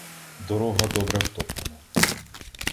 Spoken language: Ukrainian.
Дорога добре втоптана.